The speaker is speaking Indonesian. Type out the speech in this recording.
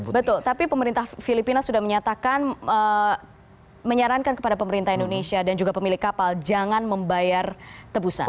betul tapi pemerintah filipina sudah menyatakan menyarankan kepada pemerintah indonesia dan juga pemilik kapal jangan membayar tebusan